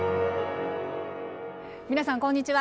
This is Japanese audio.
皆さんこんにちは。